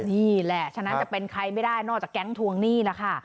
นี่แหละฉะนั้นจะเป็นใครไม่ได้นอกจากแก๊งทวงหนี้แล้วค่ะ